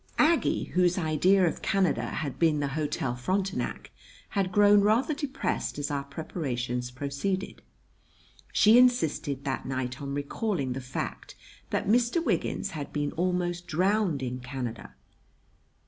] Aggie, whose idea of Canada had been the Hotel Frontenac, had grown rather depressed as our preparations proceeded. She insisted that night on recalling the fact that Mr. Wiggins had been almost drowned in Canada.